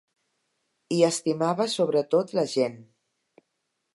I estimava sobretot la gent.